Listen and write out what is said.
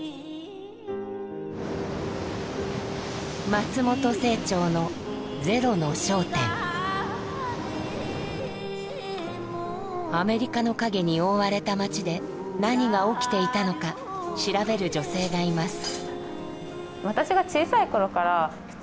松本清張のアメリカの影に覆われた町で何が起きていたのか調べる女性がいます。